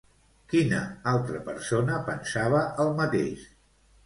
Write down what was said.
Quina altra persona pensava el mateix?